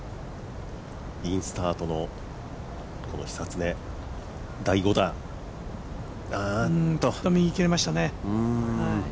インスタートの久常第５打、あっと右、切れましたね。